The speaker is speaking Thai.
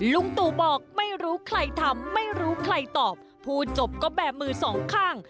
ลุงตู่บอกไม่รู้ใครทำไม่รู้ใครตอบพูดจบก็แบบมือสองข้าง